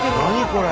これ。